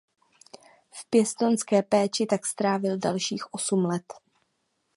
V pěstounské péči tak strávil dalších osm let.